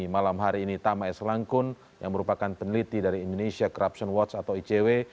malam hari ini tama s langkun yang merupakan peneliti dari indonesia corruption watch atau icw